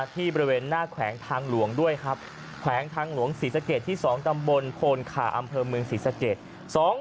ที่บริเวณหน้าแขวงทางหลวงด้วยครับแขวงทางหลวงศรีสะเกดที่๒ตำบลโพนขาอำเภอเมืองศรีสะเกด